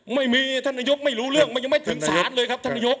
ไม่มีท่านนายกไม่รู้เรื่องมันยังไม่ถึงศาลเลยครับท่านนายก